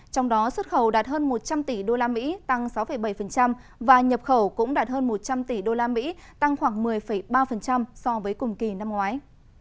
trong đó xuất khẩu đạt hơn một trăm linh tỷ usd tăng sáu bảy và nhập khẩu cũng đạt hơn một trăm linh tỷ usd tăng khoảng một mươi ba so với cùng kỳ năm ngoái